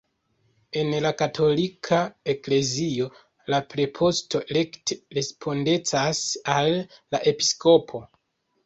En la katolika eklezio la preposto rekte respondecas al la episkopo.